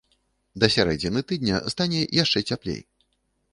Да сярэдзіны тыдня стане яшчэ цяплей.